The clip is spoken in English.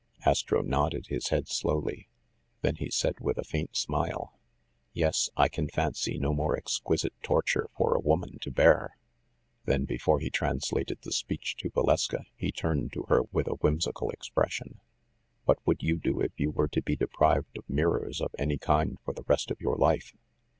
Astro nodded his head slowly. Then he said, with a faint smile, "Yes, I can fancy no more exquisite tor ture for a woman to bear." Then, before he translated the speech to Valeska, he turned to her with a whimsical expression. "What would you do if you were to be deprived of mirrors of any kind for the rest of your life?"